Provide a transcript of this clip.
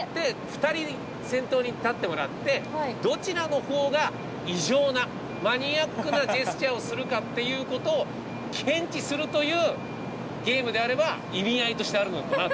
２人先頭に立ってもらってどちらの方が異常なマニアックなジェスチャーをするかっていう事を検知するというゲームであれば意味合いとしてあるのかなという。